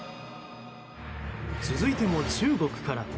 続いても中国から。